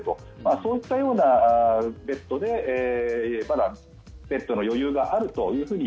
そういったようなベッドでまだベッドの余裕があるというふうに